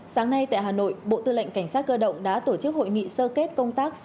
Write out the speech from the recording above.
sáng nay tại hà nội bộ tư lệnh cảnh sát cơ động đã tổ chức hội nghị sơ kết công tác